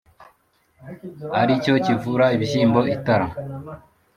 ari cyo kivura ibishyimbo itara,